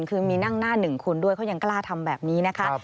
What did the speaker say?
คือมีนั่งหน้าหนึ่งคนด้วยเขายังกล้าทำแบบนี้นะคะ